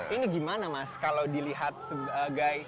ini gimana mas kalau dilihat sebagai calon potensial gitu ya